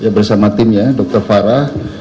bersama timnya dr farah